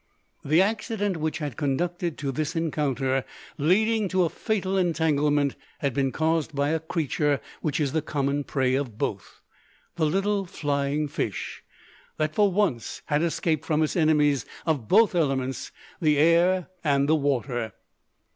The accident which had conducted to this encounter, leading to a fatal entanglement, had been caused by a creature which is the common prey of both, the little flying fish, that for once had escaped from his enemies of both elements, the air and the water.